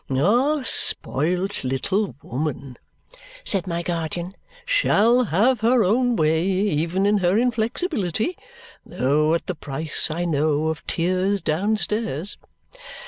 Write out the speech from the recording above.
"Our spoilt little woman," said my guardian, "shall have her own way even in her inflexibility, though at the price, I know, of tears downstairs.